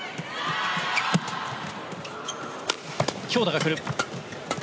強打が来る。